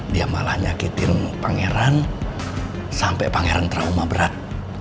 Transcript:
dia malah nyakitin pangeran sampai pangeran trauma berat